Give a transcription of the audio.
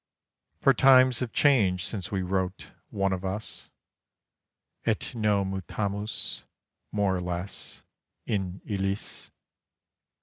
For times have changed since we wrote "One of Us": Et nos mutamus more or less in illis.